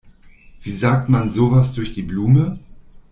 Wie sagt man sowas durch die Blume?